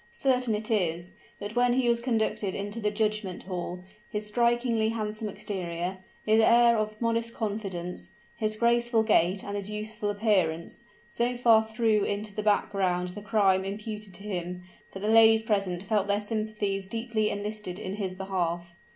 Certain it is, that when he was conducted into the judgment hall, his strikingly handsome exterior his air of modest confidence his graceful gait, and his youthful appearance, so far threw into the back ground the crime imputed to him, that the ladies present felt their sympathies deeply enlisted in his behalf.